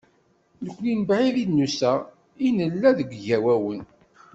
Nekkni mebɛid i d-nusa, ay nella d igawawen.